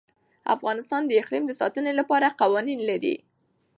افغانستان د اقلیم د ساتنې لپاره قوانین لري.